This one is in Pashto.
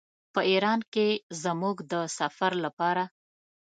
په ایران کې زموږ د سفر لپاره.